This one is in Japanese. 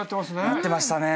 なってましたね。